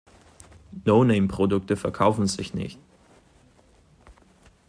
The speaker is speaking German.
No-Name-Produkte verkaufen sich nicht.